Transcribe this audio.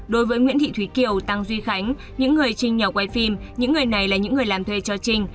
đối với nguyễn thị thúy kiều tăng duy khánh những người trình nhờ quay phim những người này là những người làm thuê cho trinh